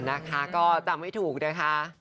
นะคะก็ตามให้ถูกนะคะ